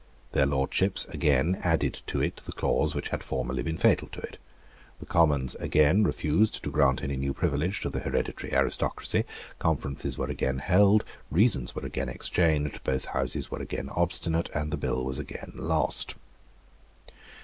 Their Lordships again added to it the clause which had formerly been fatal to it. The Commons again refused to grant any new privilege to the hereditary aristocracy. Conferences were again held; reasons were again exchanged; both Houses were again obstinate; and the bill was again lost.